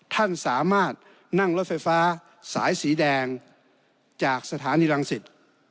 ท่านสามารถนั่งรถไฟฟ้าสายสีแดงจากสถานีรังสิต